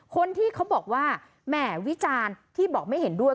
คนที่เขาบอกว่าแหม่วิจารณ์ที่บอกไม่เห็นด้วย